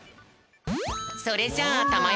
それじゃあたまよ